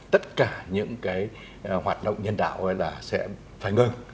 tất cả những cái hoạt động nhân đạo ấy là sẽ phải ngừng